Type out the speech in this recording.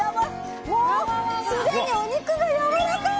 もう、すでにお肉がやわらかい！